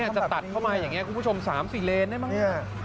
จะตัดเข้ามาอย่างนี้คุณผู้ชม๓๔เลนได้มั้ง